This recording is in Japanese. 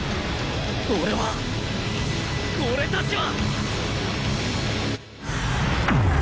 俺は俺たちは